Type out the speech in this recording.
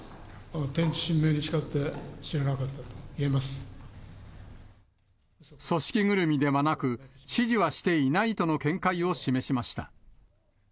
天地神明に誓って知らなかっ組織ぐるみではなく、指示はしていないとの見解を示しました。